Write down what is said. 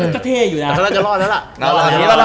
ก็เท่อยู่นะ